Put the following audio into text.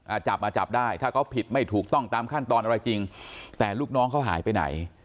จับมาจับได้ถ้าเขาผิดไม่ถูกต้องตามขั้นตอนอะไรจริงแต่ลูกน้องเขาหายไปไหน